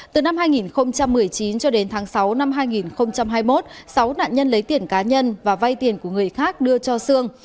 từ năm hai nghìn một mươi chín cho đến tháng sáu năm hai nghìn hai mươi một sáu nạn nhân lấy tiền cá nhân và vay tiền của người khác đưa cho sương